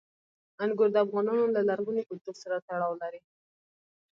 انګور د افغانانو له لرغوني کلتور سره تړاو لري.